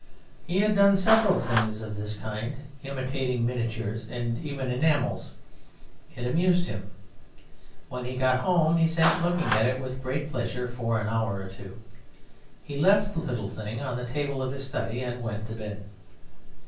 He had done several things of this kind, imitating miniatures, and even enamels. It amused him. When he got home he sat looking at it with great pleasure for an hour or two; he left the little thing on the table of his study and went to bed.